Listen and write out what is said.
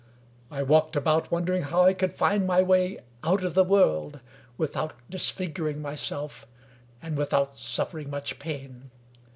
I walked about, wondering how I could find my way out of the world without disfiguring myself, and without suffering much pain.